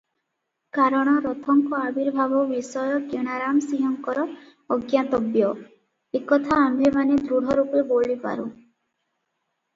କାରଣ ରଥଙ୍କ ଆବିର୍ଭାବ ବିଷୟ କିଣାରାମ ସିଂହଙ୍କର ଅଜ୍ଞାତବ୍ୟ, ଏକଥା ଆମ୍ଭେମାନେ ଦୃଢ଼ରୂପେ ବୋଲିପାରୁଁ ।